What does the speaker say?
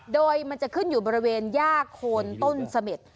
โดยมันจะขึ้นอยู่บริเวณย่าโคนต้นเสม็ด